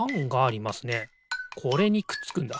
これにくっつくんだ。